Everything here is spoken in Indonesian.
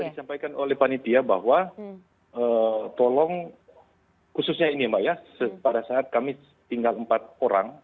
tadi disampaikan oleh panitia bahwa tolong khususnya ini mbak ya pada saat kami tinggal empat orang